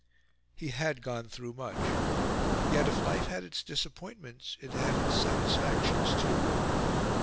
He had gone through much; yet, if life had its disappointments, it had its satisfactions too.